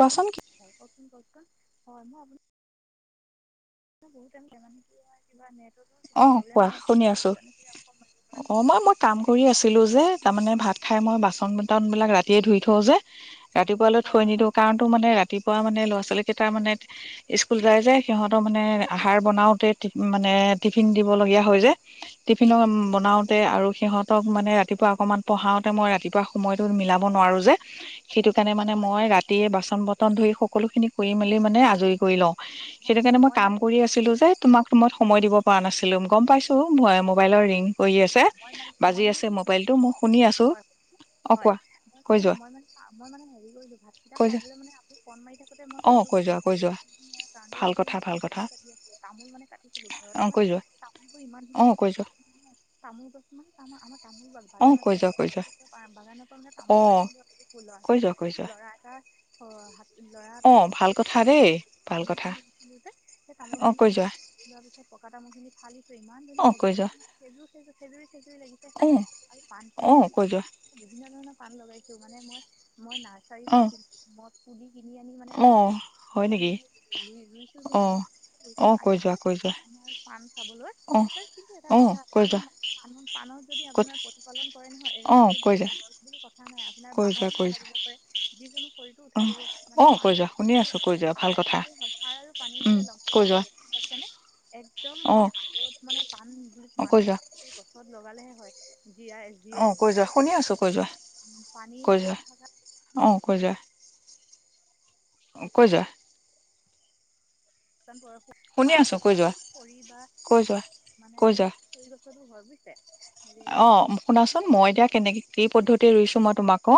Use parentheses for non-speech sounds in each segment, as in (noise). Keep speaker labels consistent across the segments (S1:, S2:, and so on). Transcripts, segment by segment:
S1: কোৱাচোন কি
S2: হয় কওকচোন কওকচোন হয় মই আপুনি বহুট যন কি নিবা নেত।
S1: অ কোৱা শুনি আছো
S2: অলপ
S1: অ মই মই কাম কৰি আছিলো যে
S2: এই
S1: তাৰমানানে ভাত খাই মই বাচন বতন বিলাক ৰাতিয়ে ধুই থওঁ যে ৰাতিপুৱালৈ
S2: হয়
S1: থৈ
S2: হয় হয়
S1: নিদিওঁ কাৰণ তো মানে ৰাতিপুৱা মানে ল'ৰা লৰা ছোৱালী কেইটাৰ মানে স্কুল যাই যায় যে সিহঁতৰ মানে আহাৰ বনাওতে মানে টিফিন দিব লগীয়া হয় যে কফিলং
S2: হয়
S1: বনাওঁতে আৰু সিহঁত মানে ৰাতিপুৱা অকনমান পঢ়াওতে মই ৰাতিপুৱা সময়তো মিলাব নোৱাৰো যে সেইটো কাৰণে মানে
S2: হয়
S1: মই ৰাতিয়ে বাছ ন বৰন ধুই সকলোখিনি কৰি মেলি মানে আজ আজৰি কৰি লওঁ,
S2: হয়
S1: সেইটো কাৰণে
S2: হয়
S1: মই ক
S2: মানে কি
S1: কৰি আছিলোঁ যে তোমাক সময় দিব নাছিলো গম পাইছো মই মোবাইলৰ ৰিং কৰি আছে
S2: মছো মই
S1: বাজি
S2: মান
S1: আছে
S2: কি কৰি
S1: মোবাইলটো মই শুনি আছোঁ অ কোৱা কৈ যোৱা
S2: ম ম ভাতেইটা
S1: কৈ
S2: খাই মান আনি ফ মাৰি থাকোতে মই
S1: অ
S2: ফ
S1: কৈ যোৱা কৈ যোৱা
S2: মই তামোল
S1: ভাল কথা ভাল কথা
S2: কো তামোল মানে কাটি চিলো ঘৰত
S1: অ
S2: মানে
S1: কৈ যোৱা
S2: তোনোকো ইমান ধ
S1: অ কৈ যোৱা
S2: তামোল গছ মানে তাম আমাৰ তামোল
S1: অ কৈ
S2: বাগানতে
S1: যোৱা কৈ যোৱা
S2: বাগানৰ পৰা মানে
S1: অ
S2: তামোল পাৰিছিলো আ লৰা
S1: কৈ
S2: ছোৱালী
S1: যোৱা কৈ যোৱা
S2: লৰা এটা লৰা
S1: অ
S2: এটা গছ
S1: ভাল কথা দেই ভাল
S2: তামোল
S1: কথা
S2: পানি দিছিলো যে সেই তামোল
S1: অ
S2: খিনি
S1: কৈ যোৱা
S2: লোৱা পিছত পকা তামোল খিনি ফালিছো ইমান ধুনীয়া
S1: অ কৈ যোৱা
S2: লাগিছে। সেইযোৰ সেইৰ সেইটো লাগিছে হ
S1: অ
S2: আৰু পান
S1: অ
S2: খিনি যে
S1: কৈ যোৱা
S2: বিভিন্ন ধৰণৰ পান লগাই মানে মই মই নাৰ্চাৰীৰ
S1: অ
S2: পৰা মই পুুলি কিনি আনি মানে
S1: অ
S2: আনি
S1: হয়
S2: আ
S1: নেকি
S2: মই ৰুইছো যে
S1: অ অ
S2: ইমান
S1: কৈ যোৱা
S2: আহি
S1: কৈ যোৱা
S2: আমাৰ পাণ চাবলৈ
S1: অ
S2: ত কিন্তু এটা
S1: অ
S2: কথা
S1: কৈ
S2: পাণ
S1: যোৱা
S2: পাণত পাণত যদি
S1: ক'ত
S2: আপোনাৰ প্ৰতিপালন কৰে নহয়
S1: অ
S2: মানে
S1: কৈ
S2: এইডাল
S1: যোৱা
S2: গছ বুলি কথা নাই আপোনাৰ
S1: কৈ যোৱা
S2: বাহতো
S1: কৈ
S2: উঠাই
S1: যোৱা
S2: দিব পাৰে যিকোনো শৰীৰটো
S1: অ
S2: উঠাই দিব পাৰে মানে
S1: অ কৈ যোৱা শুনি
S2: প
S1: আছোঁ কৈ যোৱা ভাল
S2: সাৰ
S1: কথা
S2: হ'লে সাৰ আৰু পানী
S1: উম
S2: হলে লমে
S1: কৈ
S2: লমে
S1: যোৱা
S2: লাগে পাইছেনে এক একদম
S1: অ
S2: মানে আগত মানে পান প
S1: কৈ
S2: বান্ধে
S1: যোৱা
S2: গছত লগালেহে হয়। জীয়াই
S1: অ
S2: জিয়
S1: কৈ যোৱা
S2: জীয়াই
S1: শুনি
S2: থকাত
S1: আছোঁ কৈ যোৱা
S2: পানী
S1: কৈ যোৱা
S2: খাই থকা।
S1: অ কৈ যোৱা কৈ যোৱা
S2: কি বয়সৰ
S1: শুনি
S2: বাহ
S1: আছো কৈ
S2: বা
S1: যোৱা
S2: খৰি বা
S1: কৈ যোৱা
S2: মানে
S1: কৈ যোৱা
S2: খৰি গছো হয় বুজ
S1: অ শুনাচোন মই এতিয়া কেনেকে কি পদ্ধতি ৰুইছো মই তোমাকো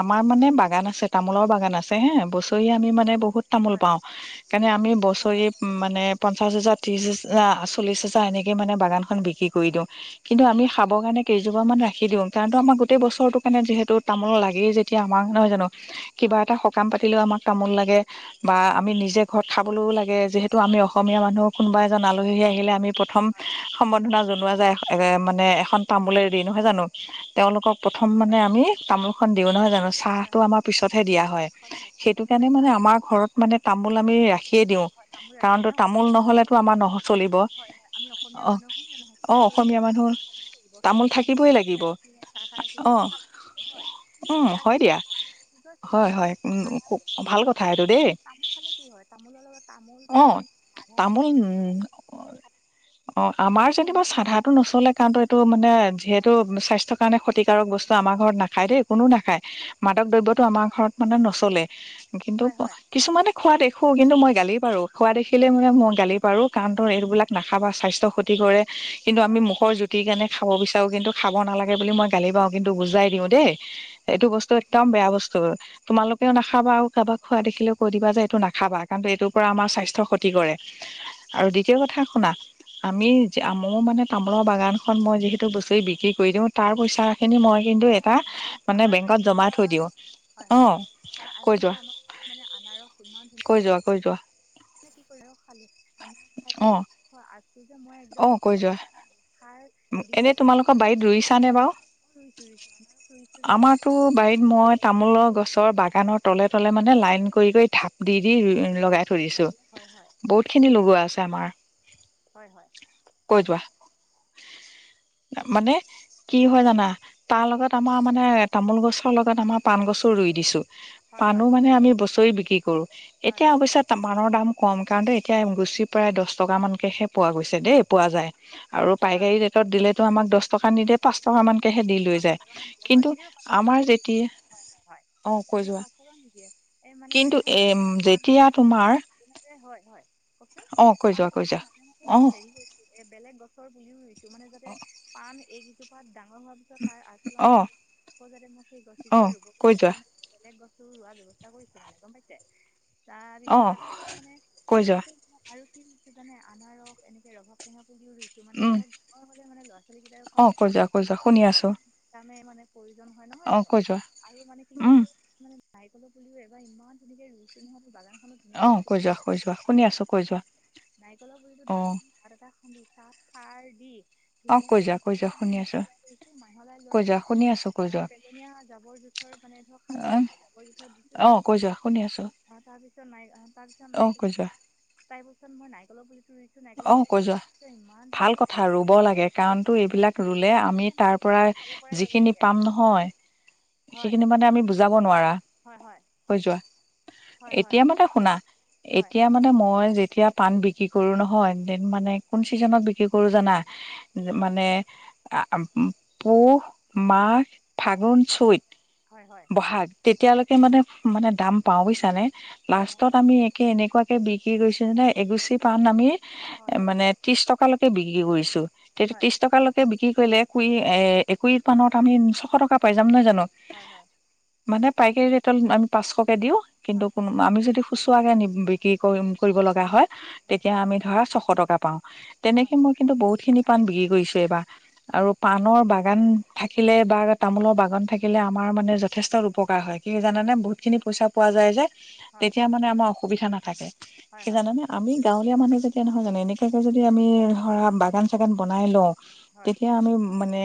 S1: আমাৰ মানে বাগান আছে তামোলৰ বাগান আছে হে বছৰি আমি মানে বহুত বহুত তামোল
S2: হয়
S1: পাওঁ
S2: হয় হয়
S1: সেইকাৰণে আমি
S2: হয়
S1: বছৰি মানে পঞ্চাছ হাজাৰ ত্ৰিশ হাৰ চল্লিশ হাজাৰ এনেকে মানে বাগানখন বিক্ৰী কৰি দিওঁ। কিন্তু
S2: হয়
S1: আমি
S2: হয়
S1: খাব কাৰণে এজোপা মান ৰাখি দিওঁ কাৰণ আমাৰ গোটেই বছৰটো কাৰনে যিহেতু তামোল লাগেই যেতিয়া আমাক নহয় জানো কিবা
S2: হয় হয় হয়
S1: এটা সকাম পাতিলেও আমাক তামোল লাগে বা
S2: হয়
S1: আমি নিজে ঘৰত খাবলৈও লাগে। যিহেতু আমি
S2: হয়
S1: অসমীয়া মানুহক কোনোবা এজন আলহী আহিলে আমি প্ৰথম
S2: হয়
S1: সম্বৰ্ধনা জনাওঁ নোৱা যায়। এ', মানে এখন তামোলেৰে দি নহয় জানো? তেওঁলোকক প্ৰথম মানে
S2: কওকচোন
S1: আমি তামোল দিও নহয় জানো?
S2: হয়
S1: চাহটো
S2: হয়
S1: আমাৰ
S2: হয় হয়
S1: পিছতহে দিয়া হয় সেইটো কাৰণে মানে আমাৰ ঘৰত
S2: তাৰ
S1: মানে তামোল আমি ৰাখিয়েই দিওঁ
S2: হয় হয় তামোল ৰাখে
S1: কাৰণো
S2: ন
S1: তামোল নহ'লেতো আমাৰ নচলিব।
S2: হয় হয় আমি অসমীয়া
S1: অঁ',
S2: মানুহ হয় নে নহয়
S1: -
S2: খাই
S1: অঁ',
S2: বৈ ভাত খাই, চাহ
S1: লাগিব
S2: খাই, খাবই
S1: অ
S2: খি (unintelligible)
S1: উম হয়
S2: আহ
S1: দিয়া
S2: ',
S1: হয়
S2: তামোল
S1: হয় উম
S2: আ
S1: ভাল
S2: ',
S1: কথা এইটো দেই
S2: তোল তামোল খালে কি
S1: অ
S2: হয় তামোলৰ
S1: তামোল
S2: লগত তামোল
S1: অ
S2: চাধা।
S1: আমাৰ
S2: থাকে
S1: যেনিবা
S2: ন
S1: চাধা। নচলে কাৰণটো এইটো মানে। যিহেতু স্বাস্থ্য কাৰণে। প্ৰতিকাৰকস্তু আমাৰ ঘৰত ন (unintelligible) খাই দেই কোনো
S2: হয়
S1: নাখায় মাদক দ্ৰব্যতটো আমাৰ
S2: হয়
S1: ঘৰত মানে নচলে। কিন্তু
S2: হয় হয়
S1: কিছুমানে খোৱা দেখো। কিন্তু মই গালি পাৰো। খোৱা দেখিলে মানে ম গালি। পাৰ কাৰণ তো।
S2: হয়
S1: এইবিলাক নাখাবা স্বাস্থ্য, ক্ষতি কৰে। কিন্তু আমি
S2: হয়
S1: মুখৰ জুতিৰ কাৰণে। খাব বিচাৰোঁ কিন্তু খাব নালাগে বুলি মই গালি পাৰো। কিন্তু বুজাই দিওঁ দেই।
S2: অঁ
S1: এইটো
S2: অঁ
S1: বস্তু একদম বেয়া বস্তু তোমাল। ও ', নাখাবা আৰু কাৰোবাক খোৱা দেখিলেও কৈ দিবা যে এইটো নাখাবা কাৰণ এইটোৰ পৰা আমাৰ স্বাস্থ্য ক্ষতি কৰে আৰু দ্বিতীয় কথা শুনা আমি (unintelligible) মোৰ মানে তামোলৰ বাগানখন মই যিহেতু বছৰি বিক্ৰী কৰি দিওঁ। তাৰ পইচাখিনি মই কিন্তু। এটা
S2: বাৰীত
S1: মানে
S2: আমাৰ
S1: বেংকত জমা
S2: বাৰীত
S1: থৈ দিওঁ
S2: হয়
S1: অ
S2: -হয়
S1: কৈ
S2: আ',
S1: যোৱা
S2: মানে আমাৰ বাৰীত মানে আনাৰক ইমান।
S1: কৈ যোৱা কৈ যোৱা।
S2: খেতি কৰিও খালোঁ। আনাৰস খাই লৈ
S1: অ',
S2: আছোঁ যে মই
S1: - অ
S2: একদম
S1: ', কৈ
S2: সাৰ
S1: যোৱা।
S2: দি
S1: এনে তোমালোকৰ বাৰীত ৰুইছা নে বাৰু?
S2: আকৌ ৰুইছোঁ ৰুইছোঁ আনাৰস ৰুইছোঁ যে
S1: আমাৰতো বাৰীত মই তামোলৰ গছৰ বাগানৰ তলে তলে মানে। নে লাইন কৰি- কৰি থাপ দি- দি ৰুই। লগাই থৈদিছো
S2: চাবলৈ হয় হয়
S1: বহুত খিনি লগোৱা আছে। আমাৰ
S2: হয় হয়
S1: কৈ যোৱা? মানে কি হয় জানা? তাৰ
S2: হয়
S1: লগত আমাৰ মানে তামোল গছৰ লগত আমাৰ পাণ গছো ৰুই দিছোঁ।
S2: হয়
S1: পানো
S2: হয়
S1: মানে আমি বছৰি বিক্ৰী। কৰো।
S2: হয়
S1: এতিয়া
S2: হয়
S1: অৱশ্যে পাণৰ দাম। কম কাৰণ এতিয়া গুচি। প্ৰায় দহ টকা মানকেহে পোৱা গৈছে দেই, পোৱা যায়। আৰু
S2: হয় হয়
S1: পাইকাৰী ৰেটত দিলে ত আমাক দহ টকা নিদে পাঁচ টকা মন।
S2: পাঁচ টকা মান দিয়ে হয়। কেতিয়াবা পাঁচ টকা
S1: আমাৰ
S2: নিদিয়ে
S1: যেতিয়া
S2: হয়-হয়-হয়,
S1: অ কৈ
S2: কেতিয়াবা
S1: যোৱা
S2: পাঁচ টকা নিদিয়ে এই মানে কি
S1: কিন্তু
S2: হয়
S1: এ যেতিয়া তোমাৰ
S2: হয়-হয়
S1: অ কৈ
S2: পাণ
S1: যোৱা কৈ
S2: তামোলৰ
S1: যোৱা
S2: মাজে-মাজে
S1: অ
S2: মই হেৰি হৈছো, এ বেলেগ গছৰ পুলিও ৰুইছো, মানে যাতে পাণ এইকেইজোপাত ডাঙৰ
S1: অ
S2: আজোৱানি, আকৌ যাতে ম সেই
S1: অ
S2: গছকেইজোপা ৰুব পৰা
S1: কৈ যোৱা
S2: সেইকাৰণে বেলেগ গছ তোৰ ৰোৱা ব্যৱস্থা কৰিছো মানে, গম পাইছে?
S1: অ
S2: তাৰপিছত এ মানে কি
S1: কৈ যোৱা
S2: হৈছে, আৰু কি আ অনাৰস এনেকে ৰবাৱ টেঙা পুলিও ৰুইছো মানে
S1: উম
S2: ধৰক মই মলৈ মানে ল'ৰা ছোৱালী কেইটাইো
S1: অ
S2: খাব
S1: কৈ
S2: তাত
S1: যোৱা কৈ যোৱা শুনি আছো
S2: মানে-মানে প্ৰয়োজন হয় নহয়
S1: অ
S2: জানো?
S1: কৈ যোৱা
S2: আৰু মানে কি
S1: উম
S2: কৈছে মে নাইকলৰ পোলিও এবাৰ ইমান ধুনীয়াকৈ ৰুইছো নহয় মোৰ বাগান ধুনীয়াকে
S1: অ
S2: ৰুইছো
S1: কৈ যোৱা কৈ যোৱা শুনি আছো কৈ যোৱা
S2: নাৰিকলৰ পুলিটো
S1: অ
S2: দাঙৰ গাত এটা খান্দি চাত সাৰ দি
S1: অ কৈ
S2: ধুনীয়াকৈ
S1: যোৱা কৈ যোৱা শুনি আছো
S2: মাহলাই লোৱা
S1: কৈ যোৱা
S2: দিছো।
S1: শুনি আছো কৈ
S2: আহ
S1: যোৱা
S2: পেলনীয়া জাবৰ জোথৰ মানে ধৰ শাক
S1: অ
S2: পাচ জাবৰ জোথৰ দিছো
S1: অ কৈ যোৱা শুনি আছো
S2: আহ তাৰ পিছত ি নাই তাৰ পিছত
S1: অ
S2: নাইক
S1: কৈ যোৱা
S2: তাই (unintelligible) মই নাৰিকলৰ পুলি নাৰলৰ
S1: অ
S2: পুলিটো
S1: কৈ যোৱা
S2: ৰুইছোঁ, ইমান
S1: ভাল
S2: ধুনীয়াকে
S1: কথা
S2: ৰুইছোঁ
S1: ৰুব লাগে
S2: নহয় চাগে চাৰি (unintelligible) পৰাই
S1: যি
S2: যাব
S1: খিনি
S2: চাগে
S1: পাম নহয়, হি
S2: হয়
S1: খিনি আমি মানে বুজাব নোৱাৰা।
S2: হয় হয়
S1: কৈ যোৱা,
S2: হয় হয়
S1: এতিয়া মানে শুনা,
S2: হয়
S1: এতিয়া মানে মই যেতিয়া পাণ বিক্ৰী কৰো নহয় হয় দেন মানে কোন চিজনত বিক্ৰী কৰো জানা?
S2: হয়
S1: মানে পুহ মাঘ ফাগুন চত
S2: হয়
S1: বহাগ তেতিয়ালৈকে মানে মানে দাম পাওঁ বুজিছানে।
S2: হয় হয় হয়
S1: লাষ্টত আমি একে এনেকে এনেকুৱাকে বিকি গৈছে যে নে এগুচি পাণ আমি
S2: হয়
S1: মানে ত্ৰিশ টকা তকাকে বিক্ৰী কৰিছো তেতিয়া ত্ৰিশ টকালৈকে বিক্ৰী লে কুই এ একুই পানত আমি ছশ টকা পাই যাম নহয় জানো ন
S2: হয় হয় হয় হয় হয়
S1: মানে পাইকাৰী ৰেটত আমি পাঁচশ দিওঁ কিন্তু কোনো আমি যদি খুচুৰা কে নি বিক্ৰী কৰিব লগা হয় তেতিয়া আমি বা ছশ টকা পাওঁ তেনেকে মই কিন্তু বহুত খিনি পান বিক্ৰী কৰিছো এইবাৰ আৰু পাণৰ বাগান থাকিলে বা তামোলৰ বাগান থাকিলে আমাৰ মানে যথেষ্ট উপকাৰ হয় কি জানানে বহুত খিনি পইচা পোৱা যায় যে তেতিয়া মানে আমাৰ অসুবিধা নাথাকে থাকে
S2: হয়
S1: কি জানানে আমি গাঁৱলীয়া মানুহ তেতিয়া নহয় জানো (unintelligible) এনেকাকৈ যদি আমি ধৰা বাগান চাগান বনাই লওঁ
S2: হয়
S1: তেতিয়া আমি মানে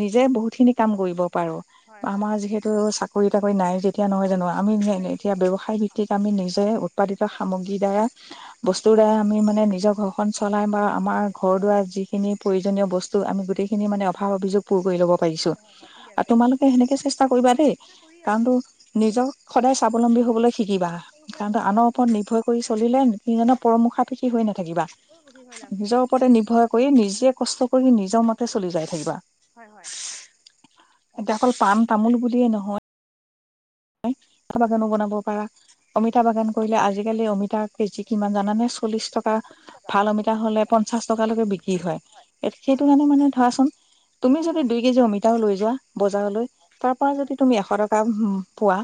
S1: নিজে বহুত খিনি কাম কৰিব পাৰো
S2: হয় হয়
S1: আমাৰ যিহেতু চা কৰি তাকৰি নাই তেতিয়া নহয় জানো আমি এতিয়া ব্যৱসায় ভিত্তিক আমি নিজে উৎপাদিত সামগ্ৰীৰ দ্বাৰা
S2: আমি
S1: বস্তুৰ দ্বাৰা আমি নিজৰ ঘৰখন চলাই বা আমাৰ ঘৰ দুৱাৰ যিখিনি প্ৰয়োজনীয় বস্তু আমি গোটেইখিনি মানে অভাৱ অভিযোগ পুৰ কৰি ল'ব পাৰিছো
S2: হয় হয় ঠিক
S1: আৰু
S2: আছে
S1: তোমালোকে সেনেকে চেষ্টা কৰিবা দেই
S2: চেষ্টা কৰি
S1: কাৰণটো
S2: আছোঁ তেনেকে
S1: নিজক সদায় স্বাৱলম্বী হবলৈ শিকিবা
S2: সৰু সুৰা
S1: কাৰণ আনৰ ওপৰত নিৰ্ভয় কৰি চলিলে নিজনৰ পৰমৰ্শা নাথাকিবা
S2: দোকানৰ বহি হৈ লাভ নাই
S1: নিজৰ ওপৰতে নিৰ্ভৰ কৰি নিচ নিজে কষ্ট কৰি নিজৰ মতে চলি যাই থাকিবা
S2: হয় হয়
S1: এতিয়া অকল পাণ তামোল বুলিয়ে নহয় চাবাগানো বনাব পাৰা অমিতা বাগান কৰিলে আজিকালি অমিতা কেজি কিমান জানানে চল্লিশ টকা
S2: চল্লিছ টকা
S1: ভাল অমিতা
S2: চল্লিছ
S1: হলে
S2: টকা
S1: পঞ্চাশ টকালৈকে বিক্ৰী হয়
S2: হয়
S1: সেইটো
S2: হয়
S1: কাৰণে মানে ধৰাচোন তুমি
S2: হয়
S1: যদি দুই কেজি অমিতাও লৈ যোৱা বজাৰলৈ তাৰ
S2: হয়
S1: পৰা
S2: হয়
S1: যদি তুমি এশ টকা উ পোৱা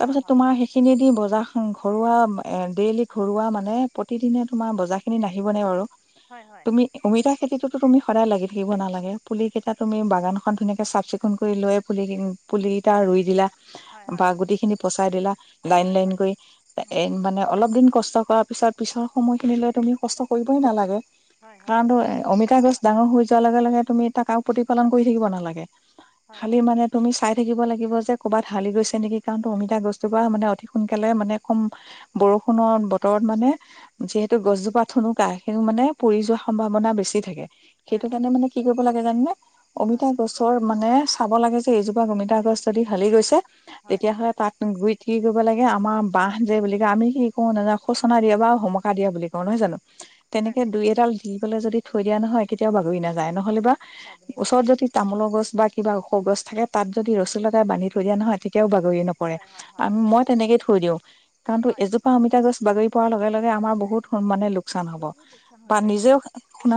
S1: তাৰ
S2: হয়
S1: পিছত
S2: হয়
S1: তোমাৰ সেইখিনিয়ে দি বজাৰখন ঘৰুৱা ডেইলি ঘৰুৱা মানে প্ৰতিদিনে তোমাৰ বজাৰখিনি নাহিবনে বাৰু
S2: হয় হয় হয়
S1: তুমি অমিতা খেতিতো তুমি সদায় লাগি থাকিব নালাগে পুলি কেইটা তুমি বাগানখন ধুনীয়াকে চাফ চিকুণ কৰি লৈ পুলি কেইটা ৰুই দিলা
S2: হয় হয়
S1: বা গুটি খিনি পচ। চলা (unintelligible) লাইন
S2: হয়
S1: লাইন
S2: হয়
S1: কৈ
S2: উম,
S1: এ মানে অলপ দিন কষ্ট। কষ্ট কৰাৰ পিছত পিছৰ সময়খিনিলৈ তুমি, কষ্ট কৰিবই নালাগে।
S2: হয় হয়
S1: কাৰণ তো অমিতা গছ ডাঙৰ হৈ যোৱাৰ লগে লগে তুমি তাকও প্ৰতিপালন। কৰি থাকিব নালাগে।
S2: হয়
S1: খালি
S2: হয়
S1: মানে তুমি চাই থাকিব লাগিব। লাগিব যে ক'ৰবাত হালি গৈছে। নেকি কাৰণটো অমিতা গছজোপা মানে অধিক সোনকালে মানে কম বৰষুণত বতৰত মানে যিহেতু গছজোপা থুনুকা, সেই মানে পুৰি যোৱাৰ সম্ভাৱনা বেছি থাকে।
S2: হয়
S1: সেইটো
S2: হয়
S1: কাৰণে মানে কি কৰিব লাগে। যানে (unintelligible)
S2: হয়
S1: অমিতা গছৰ মানে। চাব লাগে যে এইজোপা অমিতা গছ যদি হালি গৈছে।
S2: হয়
S1: তেতিয়াহ'লে তাত। গুৰিত কি কৰিব লাগে আমাৰ বাহ যে বুলি কয় আমি কি কৰো ন সোচনা দিয়া বা হমকা দিয়া বুলি কওঁ নহয় জানো?
S2: হয়
S1: তেনেকে
S2: হয়
S1: দুই এডাল দি। যদি থৈ দিয়া নহয় কেতিয়াও বাগৰি নাযায়। নহ'লে বা
S2: আপুনি হয়
S1: ওচৰত যদি তামোলৰ গছ বা। কিবা ওখ গছ থাকে তাত যদি ৰচি লগাই বান্ধি থৈ দিয়া নহয় তেতিয়া। তেতিয়াও বাগৰি নাযায়। নপৰে,
S2: হয় হয় হয়
S1: ম‌ই তেনেকেই থৈ দিওঁ কাৰনটো
S2: হয়
S1: এজোপা অমিতা গছ বাগৰি। পৰা লগে লগে। আমাৰ বহুত মানে লোকচান হব,
S2: বহুত লোকচান হৈ
S1: বা
S2: পৰে
S1: নিজ
S2: কিন্তু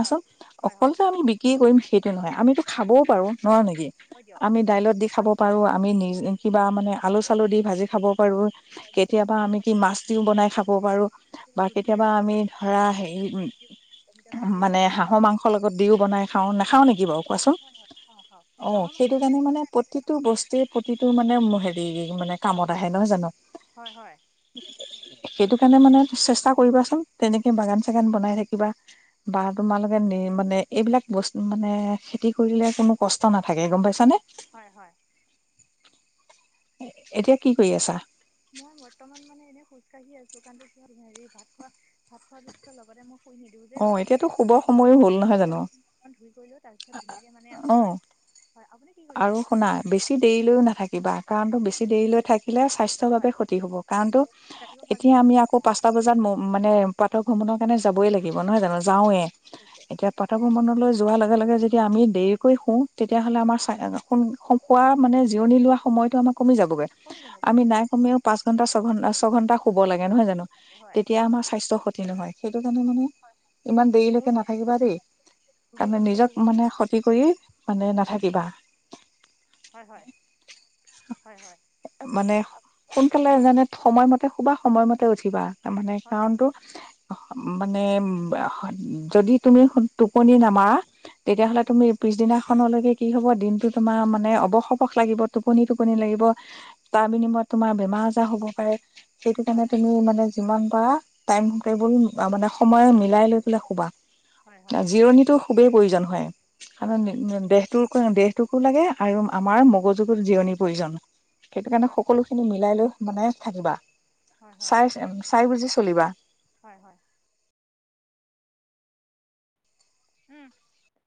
S2: হয় হয়
S1: অকল
S2: হয়
S1: যে আমি বিক্ৰী কৰিম সেইটো নহয় আমিতো। খাবও পাৰোঁ নহয় নেকি।
S2: হয় দিয়ক
S1: আমি দাইলত দি খাব পাৰোঁ আমি নিজে। কিবা মানে আলু চালু দি ভাজি খাব পাৰোঁ, কেতিয়াবা আমি কি মাছ দিও বনাই খাব পাৰোঁ। বা
S2: ৰুটি
S1: কেতিয়াবা
S2: ৰুটি
S1: আমি ধৰা হেৰি
S2: অমিতা চব্জি
S1: মানে
S2: বনাই
S1: হাঁহৰ মাংসৰ লগত দিও বনাই খাওঁ নাখাওঁ নেকি বাৰু কোৱাচোন?
S2: খাওঁ খাওঁ
S1: অ
S2: হাঁহৰ মাংস
S1: সেইটো কাৰণে মানে প্ৰতিটো বস্তুৱে প্ৰতিতো। তটো মানে হেৰি মানে কামত আহে নহয় জানো?
S2: হয় হয়
S1: সেইটো সেইকাৰণে মানে চেষ্টা কৰিবাচোন, তেনেকে বাগান চাগান বনাই থাকিবা বা তোমালোকে নি মানে এইবিলাক বস্তু মানে খেতি কৰিলে কোনো কষ্ট নাথাকে গম পাইছানে?
S2: হয় হয়।
S1: এতিয়া কি কৰি আছা।
S2: মই বৰ্তমান মানে এনেই খোজ কাঢ়ি আছো। কাৰণ তো কি হ'ল হেৰি ভাত খোৱা ভাত খোৱাৰ পিছত লগতে মোক।
S1: অ এতিয়াতো শুভ সময়ো হ'ল নহয় জানো
S2: অকণমান ধুই কৰি লৈ তাৰপিছত ধুনীয়াকৈ মানে
S1: অ
S2: আছোঁ আৰু হয় আপুনি কি কৰি
S1: আৰু
S2: আছে
S1: শুনা বেছি দেৰিলৈও নাথাকিবা
S2: আপুনি
S1: কাৰণো
S2: আপুনি কি
S1: বেছি দেৰিলৈ থাকিলে স্বাস্থ্য স ভাৱে
S2: হয়
S1: ক্ষতি হব
S2: ঠিক
S1: কাৰণো
S2: ৰাতিপুৱা ফাৰ্ষ্ট
S1: এতিয়া
S2: টাইম
S1: আমি আকৌ পাঁচটা বজাত মানে পাঠক ভ্ৰমণৰ কাৰণে যাবই লাগিব। দিব নহয় জানো যাওঁৱে
S2: হৈছে
S1: এতিয়া পথাবোৰ মনলৈ যোৱাৰ লগে লগে য আমি দেৰিকৈ শুওঁ তেতিয়াহ'লে আমাৰ খোৱা মানে জিৰণি লোৱা সময়তটো আমাক কমি যাবগৈ
S2: কমি যাব কমি
S1: আমি
S2: যাব
S1: নাই কমেও পাঁচ ঘন্টা ছঘন্টা ছয়ঘন্টা শুব লাগে নহয় জানো
S2: হয়
S1: তেতিয়া আমাৰ স্বাস্থ্যৰ ক্ষতি নহয় সেইটো কাৰণে মানে ইমান
S2: মোৰ
S1: দেৰিলৈকে নাথাকিবা দেই
S2: দুৰ্বল
S1: কাৰণে
S2: অনুভৱ
S1: নিজক
S2: হ'ব
S1: মানে ক্ষতি কৰি মানে নাথাক কিবা
S2: হয় হয় হয় হয়
S1: মানে সোনকালে জানে সময়মতে শুবা সময়মতে উঠিবা। মানে কাৰণতটো মানে উ যদি তুমি টোপনি নামাৰা
S2: হয়
S1: তেতিয়াহ'লে
S2: হয়
S1: তুমি পিছদিনা কি হব দিনতটো তোমাৰ মানে অবস অবস লাগিব টোপনি টোপনি লাগিব তাৰ বিনিময়ত তোমাৰ বেমাৰ আজাৰ হব পাৰে। সেইটো
S2: হয়
S1: কাৰণে
S2: হয়
S1: তুমি মানে। যিমান পাৰা টাইম টেবুল মানে সময়ো মিলাই লৈ পেলাই শুবা
S2: হয় হয়
S1: জিৰণিটো খুবেই প্ৰয়োজন হয়
S2: হয়
S1: খান
S2: হয়
S1: দেহটোৰ দেহটোকো লাগে আৰু আমাৰ মগজুকত জিৰণিৰ প্ৰয়োজন। সেইটো কাৰণে
S2: হয়
S1: সকলো খিনি মিলাই লৈ মানে থাকিবা।
S2: হয় হয়
S1: চাই চাই বুজিছু চলিবা
S2: হয় হয়। উম।